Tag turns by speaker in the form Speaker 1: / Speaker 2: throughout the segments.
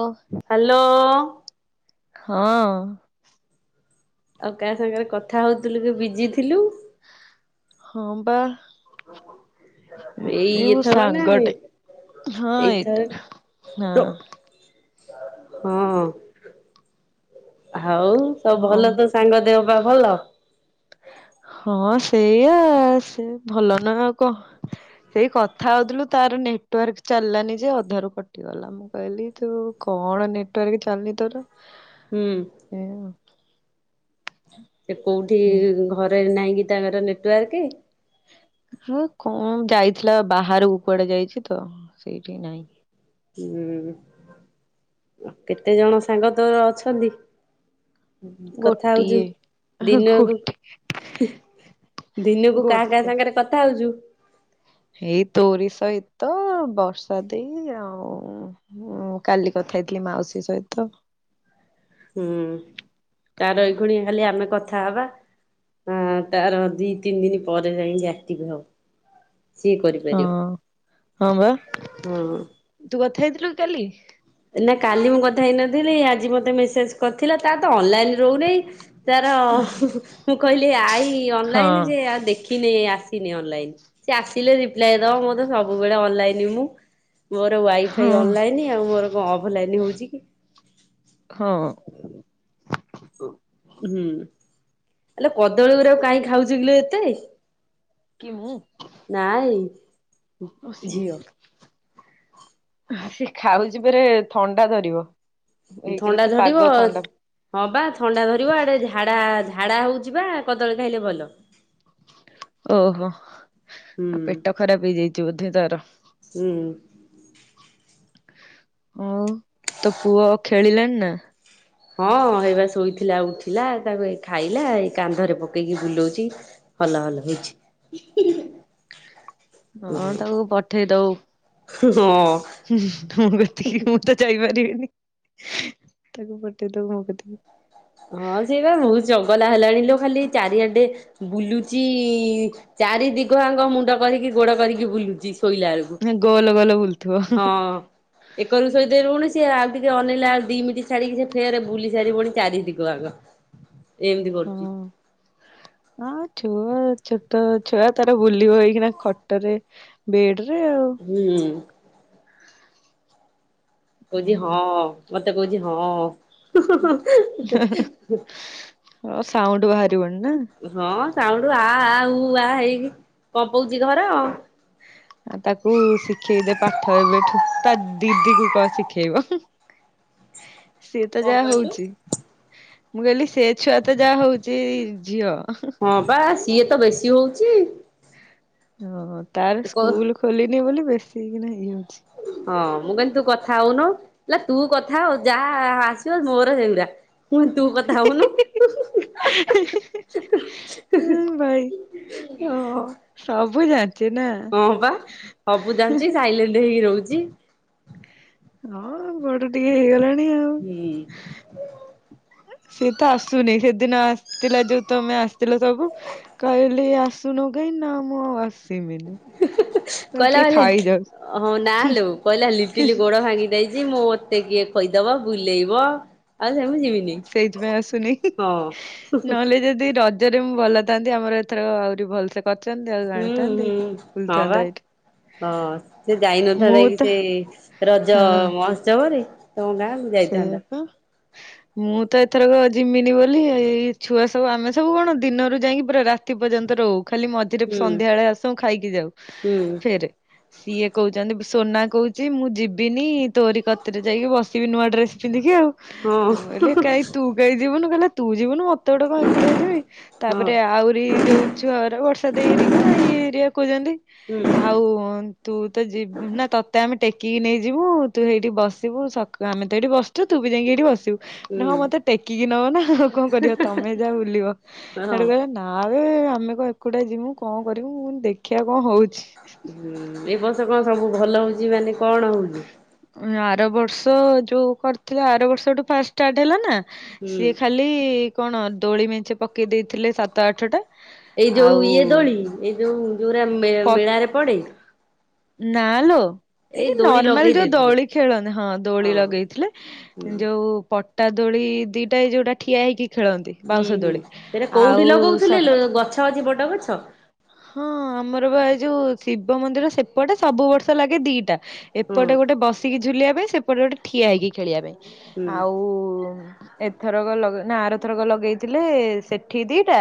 Speaker 1: ଓ।
Speaker 2: Hello.
Speaker 1: ହଁ।
Speaker 2: ଆଉ କାହା ସାଙ୍ଗରେ କଥା ହଉଥିଲୁ କି ବିଜି ଥିଲୁ।
Speaker 1: ହଁ ପା।
Speaker 2: [inaudible] ଏଇ
Speaker 1: ମୋ
Speaker 2: ଏଥବ ନା
Speaker 1: ସାଙ୍ଗଟେ ହଁ ଏଇଟା ହଁ
Speaker 2: ଏଇଥର ହଁ। ହଉ ସବୁ ଭଲ
Speaker 1: ହଁ
Speaker 2: ତ ସାଙ୍ଗ ଦେହ ପା ଭଲ।
Speaker 1: ହଁ ସେଇଆ ସେ ଭଲ ନୁହେଁ ଆଉ କଣ। ସେଇ କଥା ହଉଥିଲୁ ତାର ନେଟୱାର୍କ ଚାଲିଲାନି ଯେ ଅଧାରୁ କଟି ଗଲା। ମୁଁ କହିଲି, ତୁ କଣ ନେଟୱାର୍କ ଚାଲୁନି ତୋର।
Speaker 2: ହୁଁ।
Speaker 1: ଏହଁ।
Speaker 2: ସେ କୋଉଠି
Speaker 1: ଆଉ ହୁଁ
Speaker 2: ଘରେ ନାହିଁ କିି ତାଙ୍କର ନେଟୱାର୍କ।
Speaker 1: ହୁଁ କଣ ଯାଇଥିଲା ବାହାରକୁ କୁଆଡେ ଯାଇଛି ତ, ସେଇଠି ନାହିଁ।
Speaker 2: ହୁଁ କେତେ ଜଣ ସାଙ୍ଗ ତୋର ଅଛନ୍ତି। କଥା ହଉଛୁ
Speaker 1: ଗୋଟିଏ
Speaker 2: ଦିନକୁ
Speaker 1: ଗୋଟେ
Speaker 2: ଦିନକୁ କାହା କାହା
Speaker 1: ଗୋଟେ
Speaker 2: ସାଙ୍ଗରେ କଥା ହଉଛୁ।
Speaker 1: ଏଇ ତୋରି ସହିତ ବର୍ଷା ଦେଇ ଆଉ ହୁଁ, କାଲି କଥା ହେଇଥିଲି ମାଉସୀ ସହିତ
Speaker 2: ହୁଁ ତାର ଏ ଖୁଣି ଖାଲି ଆମେ କଥା ହବା। ହୁଁ ତାର ଦି ତିନି ଦିନ ପରେ ଯାଇକି ଆକ୍ଟିଭ ହବ। ସିଏ
Speaker 1: ହଁ,
Speaker 2: କରିପାରିବ
Speaker 1: ହଁ ବା
Speaker 2: ହଁ
Speaker 1: ତୁ କଥା ହେଇଥିଲୁ କି କାଲି।
Speaker 2: ନା କାଲି ମୁଁ କଥା ହେଇନଥିଲି ଆଜି ମତେ ମେସେଜ କରିଥିଲା ତାର ତ ଅନଲାଇନ ରହୁନାହିଁ ତାର ମୁଁ କହିଲି ଆଇ
Speaker 1: ହଁ
Speaker 2: ଅନଲାଇନ ଯେ ଆଉ ଦେଖି ଦେଖି ନାଇ ଆସିନି, ଅନଲାଇନ ସେ ଆସିଲେ ରିପ୍ଲାଏ ଦବ ମୁଁ ତ ସବୁବେଳେ ଅନଲାଇନ ମୁଁ ମୋର
Speaker 1: ହଁ
Speaker 2: ୱାଇଫାଇ ଅନଲାଇନ ଆଉ ମୋର କଣ ଅଫଲାଇନ ହଉଛି କି।
Speaker 1: ହଁ।
Speaker 2: ହୁଁ ଆଲୋ କଦଳୀ ଉରାଗୁ କାହିଁ ଖାଉଛି କିଲୋ ଏତେ।
Speaker 1: କି ମୁଁ
Speaker 2: ନାଇଁ ଝିଅ।
Speaker 1: ସେ ଖାଉଛି ପରେ ଥଣ୍ଡା ଧରିବ। ଏକରେ
Speaker 2: ଥଣ୍ଡା
Speaker 1: ତ
Speaker 2: ଧରିବ
Speaker 1: ପାଗ ଥଣ୍ଡା।
Speaker 2: ହଁ ପା ଥଣ୍ଡା ଧରିବ ଆଡେ ଝାଡା, ଝାଡା ହଉଛି ବା କଦଳୀ ଖାଇଲେ ଭଲ। [inaudible]
Speaker 1: ଓହୋ,
Speaker 2: ହୁଁ
Speaker 1: ଆ ପେଟ ଖରାପ ହେଇଯାଇଛି ବୋଧେ ତାର।
Speaker 2: ହୁଁ।
Speaker 1: ଆଉ ତୋ ପୁଅ ଖେଳିଲାଣିି ନା।
Speaker 2: ହଁ ହେଇବା ଶୋଇଥିଲା ଉଠିଲା ତାକୁ ଏ ଖାଇଲା ଏଇ କାନ୍ଧରେ ପକେଇକି ବୁଲୋଉଛି। ହଲ ହଲ ହେଇଛି
Speaker 1: ହଁ ତାକୁ ପଠେଇ ଦବୁ,
Speaker 2: ହଁ
Speaker 1: ମୋ କତିକି ମୁଁ ମୁଁ ତ ଯାଇପାରିବିନି ତାକୁ ପଠେଇ ଦବୁ ମୋ କତି କୁ।
Speaker 2: ହଁ ସିଏ ବା ବହୁତ ଜଗଲା ହେଲାଣି ଲୋ ଖାଲି ଚାରିଆଡେ ବୁଲୁଚି ଚାରି ଦିଗ ଆଙ୍ଗ ମୁଣ୍ଡ କରିକି ଗୋଡ କରିକି ବୁଲୁଛି ଶୋଇଲା ବେଳକୁ।
Speaker 1: ଗୋଲ ଗୋଲ ବୁଲୁଥିବ
Speaker 2: ହଁ। ଏକର କୁ ଶୋଇଥିବ ପୁଣି ଆଉ ଟିକେ ଅନେଇଲା ବେଳେକୁ ସେ ଦି ମିିନିଟ ଛାଡିକି ସେ ଫେରେ ବୁଲି ସାରିବଣି ଚାରିିଦିଗ। ଏମିତି
Speaker 1: ହଁ।
Speaker 2: କରୁଛି।
Speaker 1: ହଁ ଛୁଆ ଛୋଟ ଛୁଆ ତାର ବୁଲିବ ଏଇଖିଣା ଖଟରେ ବେଡ଼ ରେ ଆଉ
Speaker 2: ହୁଁ। କହୁଛି ହଁ,
Speaker 1: ହୁଁ
Speaker 2: ମତେ କହୁଛି ହଁ।
Speaker 1: ହ ସାଉଣ୍ଡ ବାହାରିବଣି ନା।
Speaker 2: ହଁ ସାଉଣ୍ଡୁ ଆ ଆ ଉ ଆ ହେଇକି କମ୍ପଉଛି ଘର।
Speaker 1: ତାକୁ ଶିଖେଇ ଦେ ପାଠ ଏବେଠୁ ତା ଦିଦି କୁ କହ ଶିଖେଇବ ସିଏ ତ
Speaker 2: କଣ
Speaker 1: ଯାହା
Speaker 2: କହିଲୁ?
Speaker 1: ହଉଛି। ମୁଁ କହିଲି ସେ ଛୁଆ ତ ଯାହା ହଉଚି ଝିଅ।
Speaker 2: ହଁ ପା ସିଏ ତ ବେଶୀ ହଉଚି।
Speaker 1: ଓହୋ ତାର
Speaker 2: ହଁ
Speaker 1: ସ୍କୁଲ ଖୋଲିନି ବୋଲି ବେଶୀ କିନା ଇଏ ହଉଛି।
Speaker 2: ହଁ ମୁଁ କହିନି ତୁ କଥା ହଉନୁ। କହିଲା ତୁ କଥା ହୋ ଯାହା ଆସିବ ମୋର ହେଗୁରା। ମୁଁ କହିଲି ତୁ କଥା ହଉନୁ ହୁଁ ହୁଁ ହା ହା। [unintelligible] ହଁ।
Speaker 1: ସବୁ ଜାଣିଚୁ ନା ହୁଁ -ହୁଁ।
Speaker 2: ସାଇଲେଣ୍ଟେ ହେଇକି ରହୁଚି।
Speaker 1: ହଁ ବଡ ଟିକେ ହେଇଗଲାଣି ଆଉ।
Speaker 2: ହୁଁ।
Speaker 1: ସିଏ ତ ଆସୁନି ସେଦିନ ଆସିଥିଲା ଯଉ ତମେ ଆସିଥିଲ ସବୁ କହିଲି ଆସ୍ ତୁ ନଗେଇନା ମୁଁ ଆଉ ଆସିବିନି।
Speaker 2: କହିଲା କହି- ହଁ- ନା
Speaker 1: ହୁଁ
Speaker 2: ଲୋ କହିଲା
Speaker 1: ହୁଁ
Speaker 2: ଲିଟିଲି ଗୋଡ ଭାଙ୍ଗି ଯାଇଚି। ଚି ମତେ କିଏ ଖଇଦବ ବୁଲେଇବ ଆଉ ସେମିତି ଯିବିନି।
Speaker 1: ସେଇଥିପାଇଁ ଆସୁନି
Speaker 2: ହଁ
Speaker 1: ନହେଲେ ଯଦି ର ରଜରେ ମୁଁ ଭଲ ଥାନ୍ତି ଆମର ଏଥର ଆହୁରି ଭଲ୍ ସେ କରିଚନ୍ତି ଆଉ।
Speaker 2: ହୁଁ-
Speaker 1: ଜାଣିଥାନ୍ତି।
Speaker 2: ହୁଁ- ହଁ ବା।
Speaker 1: ବୁଲିଥାନ୍ତା ଏଇଠି
Speaker 2: ହଁ ସେ
Speaker 1: ମୁଁ
Speaker 2: ଯାଇନଥାନ୍ତା କି
Speaker 1: ତ
Speaker 2: ସେ ରଜ
Speaker 1: ହଁ
Speaker 2: ମହୋତ୍ସବରେ? ତମ ଗାଁକୁ। ଯାଇଥାନ୍ତା।
Speaker 1: ସେଇଆ ପା ମୁଁ ତ ଏଥରକ ଜିମିନି ବୋଲି ଏଇ ଛୁଆ ସବୁ ଆମେ ସବୁ କଣ ଦିନରୁ ଯାଇକି ପୁରା ରାତି ପର୍ଯ୍ୟନ୍ତ ରହୁ ଖାଲି ମଝ୍ ଝିରେ
Speaker 2: ହୁଁ
Speaker 1: ସନ୍ଧ୍ୟାବେଳେ ଆସୁ ଖାଇକି ଯାଉ
Speaker 2: ହୁଁ
Speaker 1: ଫେରେ। ସିଏ କହୁଚନ୍ତି ସୋନା କହୁଚି ମୁଁ ଯିବିନି ତୋରି କତିରେ ଯାଇକି ବସ୍ ବି ନୂଆ ଡ୍ରେସ ପିନ୍ଧିକି ଆଉ
Speaker 2: ହଁ
Speaker 1: ମୁଁ କହିଲି କାଇଁ ତୁ କାଇଁ ଯିବୁନୁ କହିଲା ତୁ ଯିବୁନୁ ମ ଏତେ ବାଟ କଣ ଏକୁଟିଆ ଯିବି?
Speaker 2: ହଁ
Speaker 1: ତାପରେ ଆହୁରି ଯଉ ଛୁଆରା ବର୍ଷା ଦେଇ ହେରିକା ଇଏ ହେରିଆ କହୁଚନ୍ତି
Speaker 2: ହୁଁ
Speaker 1: ଆଉ ନ୍ ତୁ ତ ଯିବୁ- ନା ତତେ ଆମେ ଟେକିକି ନେଇଯିବୁ ତୁ ହେଇଠି ବସିବୁ ସତ୍ ଆମେ ତ ଏଇଠି ବସିଚୁ ତୁ ବି ଯାଇକି ଏଇଠି ବସିବୁ।
Speaker 2: ହୁଁ
Speaker 1: ହଁ- ମତେ ଟେକିକି ନବ ନା ଆଉ କଣ କରିବ ତମେ ଯା ବୁଲିବ
Speaker 2: ହଁ
Speaker 1: ହେଡୁ କହିବେ ନା ବେ ଆମେ କଣ ଏକୁଟିଆ ଯିବୁ କଣ କରିବୁ ମୁଁ କହିଲି ଦେଖିଆ କଣ ହଉଚି।
Speaker 2: ହୁଁ- ଏ ବର୍ଷ କଣ ସବୁ ଭଲ ହଉଚି ମାନେ କଣ ହଉଚି?
Speaker 1: ଉଁ- ଆର ବର୍ଷ ଯଉ କରିଥିଲା ଆର ବର୍ଷ ଠୁ ଫାଷ୍ଟ୍ ଷ୍ଟାର୍ଟ ହେଲା ନା
Speaker 2: ହୁଁ
Speaker 1: ସିଏ ଖାଲି ଖାଲି କଣ ଦୋଳି ମେଞ୍ଚେ ପକେଇ ଦେଇଥିଲେ ସାତ ଆଠ ଟା
Speaker 2: ଏଇ ଯଉ ଇଏ ଦୋଳି ଏଇ ଯଉ -ଯଉରା ମେ- ମେଳାରେ ପଡେ?
Speaker 1: ନା ଲୋ। ଏଇ
Speaker 2: ଦୋଳି
Speaker 1: ନର୍ମାଲ୍
Speaker 2: ଲଗେଇ
Speaker 1: ଯଉ
Speaker 2: ଦେଇଥିଲେ
Speaker 1: ଦୋଳି ଖେଳନ୍ତି ହଁ ଦୋଳି ଲଗେଇଥିଲେ
Speaker 2: ହୁଁ
Speaker 1: ଯଉ ପ ପଟା ଦୋଳି ଦିଇଟା ଏଇ ଯଉଟା ଠିଆ ହେଇକି ଖେଳନ୍ତି।
Speaker 2: ହୁଁ-
Speaker 1: ବାଉଁଶ
Speaker 2: ହୁଁ
Speaker 1: ଦୋଳି
Speaker 2: ଏରା କୋଉଠି
Speaker 1: ଆଉ
Speaker 2: ଲଗଉଥିଲେ
Speaker 1: ସବୁ
Speaker 2: ଲୋ ଗଛ ଅଛି ବଡ ଗଛ?
Speaker 1: ହଁ ଆମର ବା ଏ ଯଉ ଶିବ ମନ୍ଦିର ସେପଟେ ସବୁ ବର୍ଷ ଲାଗେ ଦିଟା।
Speaker 2: ହଁ
Speaker 1: ଏପଟେ ଗୋଟେ ବସିକି ଝୁଲିବା ପାଇଁ ସେପଟେ ଗୋଟେ ଠିଆ ହେଇକି ଖେଳିବା ପାଇଁ।
Speaker 2: ହୁଁ
Speaker 1: ଆଉ ଏଥରକ ଲଗ- ନା ଆର ଥରକ ଲଗେଇଥିଲେ ସେ ଠି ଦିଟା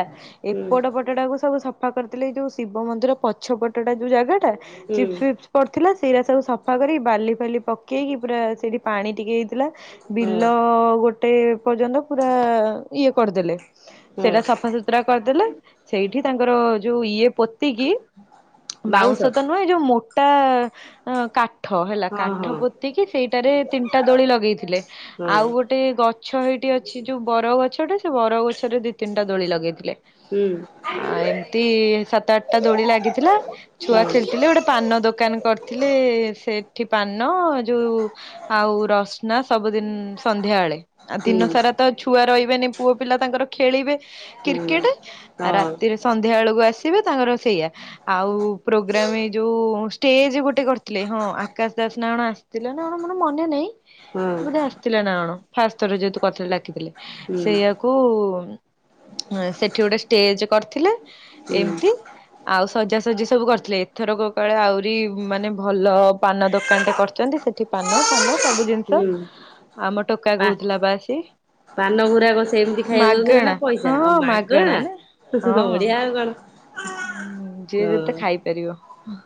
Speaker 2: ହୁଁ
Speaker 1: ଏପଟ ପଟଟାକୁ ସବୁ ସଫା କରିଥିଲେ ଏଇ ଯଉ ଶିବ ମନ୍ଦିର ପଛ ପଟଟା ଯଉ ଜାଗାଟା
Speaker 2: ହୁଁ
Speaker 1: ଚିପ୍ସ ଫିପ୍ସ ପଡିଥିଲା ସେଇରା ସବୁ ସଫା କରିକି ବାଲି ଫାଲି ପକେଇକି ପୁରା ସେଇଠି ପାଣି ଟିକେ ହେଇଥିଲା
Speaker 2: ହଁ
Speaker 1: ବିଲ ଗୋଟେ ପର୍ଯ୍ୟନ୍ତ ପୁରା ଇଏ କରିଦେଲେ
Speaker 2: ହଁ
Speaker 1: ସେଟା ସଫା ଶୁତ୍ ଶୁତ୍ରା କରିଦେଲେ ସେଇଠି ତାଙ୍କର ଯଉ ଇଏ ପୋତିକିି ବାଉଁଶ ତ ନୁହେଁ ଯଉ ମୋଟା କା ଠ ହେଲା
Speaker 2: ହଁ
Speaker 1: କାଠ
Speaker 2: ହଁ
Speaker 1: ପୋତିକି ସେଇଟାରେ ତିନିଟା ଦୋଳି ଲଗେଇଥିଲେ
Speaker 2: ହଁ
Speaker 1: ଆଉ ଗୋଟ୍ ଟେ ଗଛ ଏଇଟି ଅଛି ଯଉ ବର ଗଛଟା ସେ ବର ଗଛରେ ଦି ତିନିଟା ଦୋଳି ଲଗେଇଥିଲେ।
Speaker 2: ହୁଁ।
Speaker 1: ତି ସାତ ଆଠଟା ଦୋଳି ଲାଗିଥିଲା ଛୁଆ
Speaker 2: ହଁ
Speaker 1: ଖେଳିଥିଲେ ଗୋଟେ ପାନ ଦୋକାନ କରିଥିଲେ ସେଠି ପାନ ଯଉ ଆଉ ରସ୍ନା- ସବୁଦିନ୍ ସନ୍ଧ୍ୟାବେଳେ ଆଉ
Speaker 2: ହୁଁ
Speaker 1: ଦିନ ସାରା ତ ଛୁଆ ରହିବେନି ପୁଅ ପିଲା ତାଙ୍କର ଖେଳିବେ
Speaker 2: ହୁଁ
Speaker 1: କ୍ରିକେଟ ଆ
Speaker 2: ହଁ
Speaker 1: ରାତିରେ- ସଂଧ୍ୟାବେଳକୁ ଆସିବେ ତାଙ୍କର ସେଇଆ ଆଉ ପ୍ରୋଗ୍ରାମ ଯୋଉ - ଷ୍ଟେଜ ଗୋଟେ କରିଥିଲେ ହଁ ଆକାଶ ଦାସ ନା କଣ ଆସିଥିଲା ନା କଣ ମୋର ମନେ ନାହିଁ
Speaker 2: ହଁ
Speaker 1: ବୋଧେ - ଆସିଥିଲା ନା କଣ ଫାର୍ଷ୍ଟ ଥର ଯେହେତୁ କଥା ରେ ଡାକିଥିଲେ
Speaker 2: ହୁଁ
Speaker 1: ସେ - କୁ ସେଠି ଗୋଟେ ଷ୍ଟେଜ କରିଥିଲେ
Speaker 2: ହୁଁ
Speaker 1: ଏମିତି- ଆଉ ସଜାସଜି ସବୁ କରିଥିଲେ ଏଥରକ କଳେ ଆହୁରି ମାନେ ଭଲ ପାନ ଦୋକାନଟେ କରିଛନ୍ତି ସେ- ଏଠି ପାନ ଫାନ ସବୁ ଜିନିଷ
Speaker 2: ହୁଁ
Speaker 1: ଆମ ଟୋକା କହୁଥିଲା ବା ଆସି।
Speaker 2: ପାନଗୁରାକ ସେ ଏମତି ଖାଇବାକୁ ଦଉଥିଲେ
Speaker 1: ମାଗଣା
Speaker 2: ନା ପଇସା
Speaker 1: ହଁ
Speaker 2: ଆଉ ମାଗଣା
Speaker 1: ନା ହଁ
Speaker 2: ବଢିଆ ଆଉ କଣ।
Speaker 1: ଯିଏ ଯେତେ
Speaker 2: ହଁ
Speaker 1: ଖାଇପାରିବ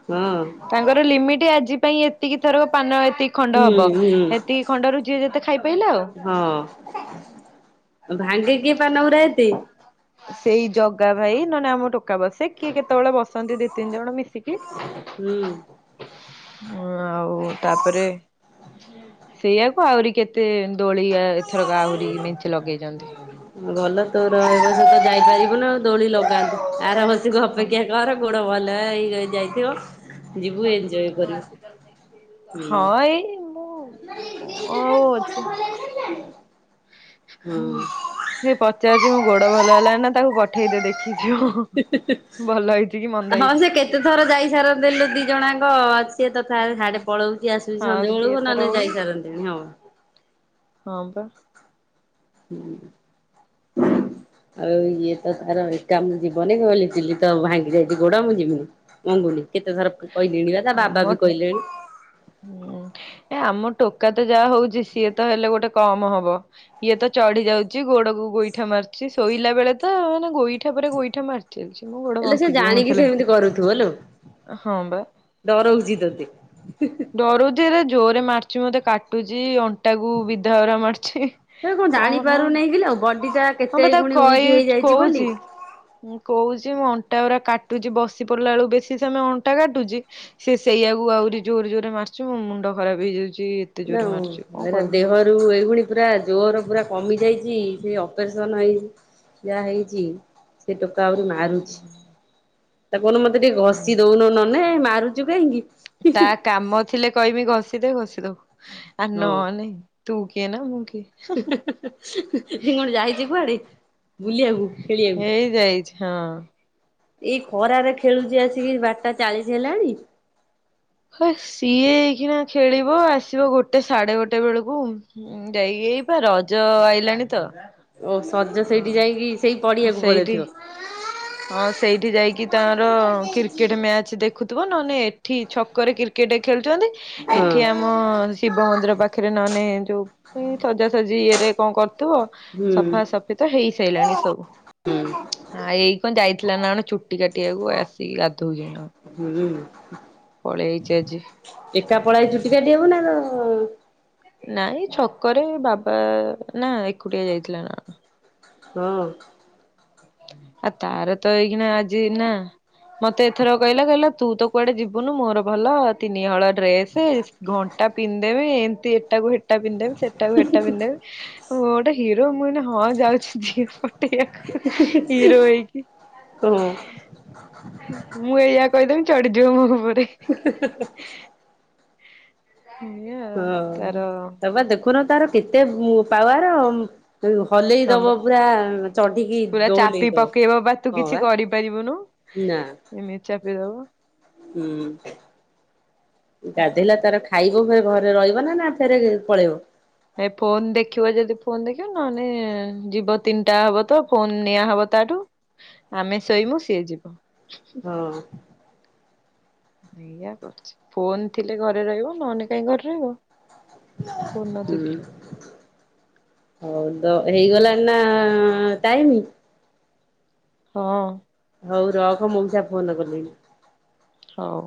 Speaker 2: ହଁ
Speaker 1: ତାଙ୍କର ଲିମିଟ ଆଜି ପାଇଁ ଏତିକି ଥରକ ପାନ ଏତିକି- ଖଣ୍ଡ
Speaker 2: ହୁଁ
Speaker 1: ହବ
Speaker 2: ହୁଁ
Speaker 1: ହେତିକି ଖଣ୍ଡରୁ ଯିଏ ଯେତେ ଖାଇ ପାଇଲା ଆଉ।
Speaker 2: ଭାଙ୍ଗିିକି ପାନ ପୁରା ଏତେ।
Speaker 1: ସେଇ ଜଗା ଭାଇ ନହଲେ ଆମ ଟୋକା ବସେ କିଏ କେତେବେଳେ ବସନ୍ତି ଦି ତିନି ଜଣ ମିଶିକି-
Speaker 2: ହୁଁ।
Speaker 1: ହଁ ଆଉ ତାପରେ- ସେଇଆକୁ ଆଉରି କେତେ ଦୋଳି ଏଥରକ ଆହୁରି ମେଞ୍ଚେ ଲଗେଇଚନ୍ତି।
Speaker 2: ଭଲ ତୋର ଏ ବର୍ଷ ତ ଯାଇପାରିବୁନୁ। ଦୋଳି ଲଗାନ୍ତୁ ଆର ବର୍ଷକୁ
Speaker 1: ହଁ
Speaker 2: ଅପେକ୍ଷା କର ଗୋଡ଼ ଭଲ ହେଇ ହେଇ ଯାଇଥିବ। ଯିବୁ ଏଞ୍ଜୟ କରିବୁ ହୁଁ
Speaker 1: ହଁ ଏଇ ମୁଁ- କଣ ଆଉ
Speaker 2: [unintelligible] ହଁ
Speaker 1: ଯିଏ ପଚାରୁଛି ମୋ ଗୋଡ଼ ଭଲ ହେଲାନା ତାକୁ ପଠେଇ ଦେଲେ। [inaudible] ଭଲ ହେଇଛି କି ମନ୍ଦ ହେଇଛି।
Speaker 2: ଦି ଥର ଯାଇସାରନ୍ତେଣି ଲୋ ଦି ଜଣ ଆଙ୍କ ସିଏ ତ ତାର ହାଡେ ପଳାଉଛି ଆସୁଚି
Speaker 1: ହଁ
Speaker 2: ସଂଜ
Speaker 1: ସିଏ
Speaker 2: ବେଳକୁ
Speaker 1: ତ
Speaker 2: ନ ନେ
Speaker 1: ରହୁନି
Speaker 2: ଯାଇସାରନ୍ତିଣୀ।
Speaker 1: ହଁ ପା।
Speaker 2: ହୁଁ। ଆଉ ଇଏ ତ ତାର ଏକା ମୁଁ ଯିବନାଇଁ ନହେଲେ ଝିଲି ତ ଭାଙ୍ଗି ଯାଇଛି ଗୋଡ଼ ମୁଁ ଯିବି ନାହିଁ। ମଙ୍ଗୁନି କେତେ ଥର କଇଲିଣୀ ତା ବାବା
Speaker 1: ଆମ
Speaker 2: ବି କହିଲେଣି।
Speaker 1: ହୁଁ ଏ ଆମ ଟୋକା ତ ଯାହା ହଉଛି ସିଏ ତ ହେଲେ ଗୋଟେ କମ ହବ। ଇଏ ତ ଚଢି ଯାଉଛି ଗୋଡକୁ ଗୋଇଠା ମାରୁଛି ଶୋଇଲା ବେଳେ ତ ମାନେ ଗୋଇଠା ପରେ ଗୋଇଠା ମାରୁଛି। ଚାଲିଛି ମୁଁ ଗୋଡ଼ ବଙ୍କିଯିବ ମତେ ଲା -
Speaker 2: କରୁଥିବଲୋ।
Speaker 1: ହଁ ବା
Speaker 2: ତୋତେ।
Speaker 1: ଡରୁଛି ହେ ଜୋରରେ ମାରୁଚି ମତେ କାଟୁଚି। ଟାକୁ ବିଧାଗରା ମାରୁଛି
Speaker 2: ସେ କଣ
Speaker 1: କହୁନ
Speaker 2: ଜାଣିପାରୁନେଇ କିଲୋ
Speaker 1: ହଁ ବା ତାକୁ କହି -
Speaker 2: ଯିବୁନି।
Speaker 1: ମୁଁ କହୁଛି ମୁଁ ଅଣ୍ଟା ଉରା କାଟୁଚି ବସିପଡ଼ିଲା ବେଳକୁ ବେଶି ସମୟ - ଅଣ୍ଟା କାଟୁଚି ସେ ସେଇଆ କୁ ଆଉରି ଜୋରେ ଜୋରେ ମାରୁଚି ମୋ ମୁଣ୍ଡ ଖରାପ ହେଇଯାଉଚି।
Speaker 2: ନା ଏରା ଦେହ ଆ ଏଇଭୁଳି ପୁରା ଜୋର ପୁରା କମି ଯାଇଛି ସେ ଅପରେସନ ହେଇଛି। ଯାହା ହେଇଛି ସେ ଟୋକା ଆଉରି ମାରୁଚି। ତାକୁ କହୁନୁ ମୋତେ ଘଷି
Speaker 1: ହୁଁ
Speaker 2: ଦଉନୁ ନନେ ମାରୁଚୁ କାହିଁକି?
Speaker 1: ତା କାମ ଥିଲେ କହିବି ଘଷିଦେ ଘଷିଦବ ନ ନେ - ତୁ କିଏ ନା ମୁଁ କିଏ।
Speaker 2: ମୁଁ କଣ ଯାଇଚି କୁଆଡେ ବୁଲିଆକୁ।
Speaker 1: ଏଇ ଯାଇଚି ହଁ।
Speaker 2: ଏଇ ଖରାରେ ଖେଳୁଛି ଆସିକି ବାରଟା ଚାଳିଶ ହେଲାଣି।
Speaker 1: ହଁ ସିଏ ହେଇକିନା ଖେଳିବ ଆସିବ ଗୋଟେ ସାଢେ ଗୋଟେ ବେଳକୁ ଉଁ ଯାଇକିଇ ବା ରଜ ଆଇଲାଣି ତ
Speaker 2: ଓ ସଜ ସେଇଠି
Speaker 1: ଅ
Speaker 2: ଯାଇକି ସେଇ ପଡିଆକୁ
Speaker 1: ସେଇଠି
Speaker 2: ପଳେଇଥିବ।
Speaker 1: ହଁ ସେଇଠି ଯାଇକି ତାର କ୍ରିକେଟ ମ୍ୟାଚ ଦେଖୁଥିବ ନହେଲେ ଏଠି ଛ ଘରେ କ୍ରିକେଟ ଖେଳୁଛନ୍ତି
Speaker 2: ହଁ।
Speaker 1: ଏଠି ଆମ ହଁ ଶିବ ମନ୍ଦିର ପାଖରେ ନହେଲେ ଯୋଉ ଏଇ ସଜାସଜି ଇଏରେ କଣ କରୁଥିବ।
Speaker 2: ହୁଁ
Speaker 1: ସଫା ସଫି ତ ହେଇ ସାରିଲାଣି ସବୁ।
Speaker 2: ହୁଁ
Speaker 1: ହଁ ଏଇ କଣ ଯାଇଥିଲା ନା କଣ ଚୁଟି କାଟିବାକୁ ଆସିକି ଗାଧଉଛିି ନା କଣ।
Speaker 2: ହୁଁ।
Speaker 1: ପଳେଇଛି ଆଜି
Speaker 2: ଏକା ପଳାଇ ଆଇଛି ଚୁଟି କାଟିବାକୁ ନା ତ
Speaker 1: ନାଇଁ ଛକରେ ବାବା ନା ଏକୁଟିଆ ଯାଇଥିଲା ନା
Speaker 2: ହଁ।
Speaker 1: ହ ଆ ତାର ତ ଏଇକିନା ଆଜି ନା ମତେ ଏଥର କହିଲା କହିଲା ତୁ ତ କୁଆଡେ ଯିବୁନୁ ମୋର ଭଲ ତିନିହଳ ଡ୍ରେସ ଘଣ୍ଟା ପିନ୍ଧିଦେବି ଏମିତି ଏଟାକୁ ହେଟା ପିନ୍ଧି ସେଟାକୁ ହେଟା ପିନ୍ଧିଦେବି। ଗୋଟେ ହିରୋ ମୁଁ ନା ହଁ ଯାଉଛି ଝିଅ ପଟେଇବାକୁ ହିରୋ ହେଇକି
Speaker 2: ହଁ।
Speaker 1: ମୁଁ ଏଇଆ କହିଦେବି ଚଢିଯିବ ମୋ ଉପରେ
Speaker 2: [unintelligible]
Speaker 1: ଏଇଆ ଆଉ
Speaker 2: ହଁ
Speaker 1: ତାର
Speaker 2: ତ ବା ଦେଖୁନ ତାର କେତେ ପାୱାର ହଲେଇ
Speaker 1: ହଁ
Speaker 2: ଦବ
Speaker 1: ବା
Speaker 2: ପୁରା ଚଢିକି
Speaker 1: ପୁରା
Speaker 2: ଦୋହଲେଇ
Speaker 1: ଚାପି
Speaker 2: ଦବ
Speaker 1: ପକେଇବ ବା ତୁ କିଛି
Speaker 2: ହଁବା
Speaker 1: କରିପାରିବୁନୁ
Speaker 2: ନା।
Speaker 1: ଏମିତି ଚାପିଦବ।
Speaker 2: ହୁଁ ଗାଧେଇଲା ତାର ଖାଇବ ଫେରେ ଘରେ ରହିବ ନା ନା ଫେରେ ପଳେଇବ।
Speaker 1: ଏ ଫୋନ ଦେଖିବ ଯଦି ଫୋନ ଦେଖିବ ନହେଲେ ଯିବ ତିନିଟା ହବ ତ ଫୋନ ନିଆ ହବ ତାଠୁ ଆମେ ଶୋଇବୁ ସିଏ ଯିବ
Speaker 2: ହଁ।
Speaker 1: ଏଇଆ କରୁଛି ଫୋନ ଥିଲେ ଘରେ ରହିବ ନହେଲେ କାହିଁ ଘରେ ରହିବ। ଫୋନ ନ
Speaker 2: ହୁଁ।
Speaker 1: ଦେଖିଲେ
Speaker 2: ହଉ ତ ହେଇଗଲାଣି ନା ଟାଇମ।
Speaker 1: ହଁ।
Speaker 2: ହଉ ରହ ମଉସା ଫୋନ କଲେଣି।
Speaker 1: ହଉ।